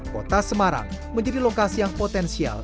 kota semarang menjadi lokasi yang potensial